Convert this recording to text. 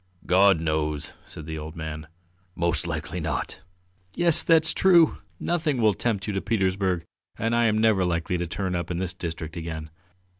"God knows!" said the old man. "Most likely not!" "Yes, that's true! Nothing will tempt you to Petersburg and I am never likely to turn up in this district again.